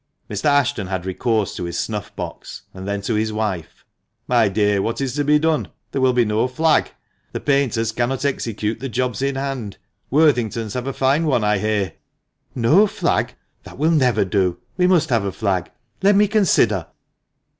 ] Mr. Ashton had recourse to his snuff box, and then to his wife. "My dear, what is to be done? There will be no flag. The painters cannot execute the jobs in hand. Worthington's have a fine one I hear." " No flag ! That will never do. We must have a flag. Let me consider."